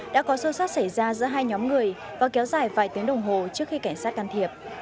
đã có sâu sát xảy ra giữa hai nhóm người và kéo dài vài tiếng đồng hồ trước khi cảnh sát can thiệp